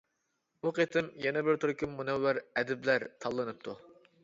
بۇ قېتىم يەنە بىر تۈركۈم مۇنەۋۋەر ئەدىبلەر تاللىنىپتۇ.